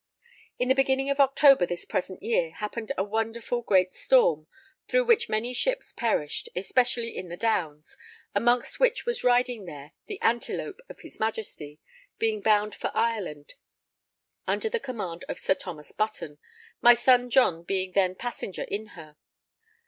In the beginning of October this present year, happened a wonderful great storm, through which many ships perished, especially in the Downs, amongst which was riding there the Antelope of his Majesty, being bound for Ireland under the command of Sir Thomas Button, my son John being then passenger in her.